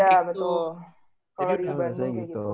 kalo di bandungnya gitu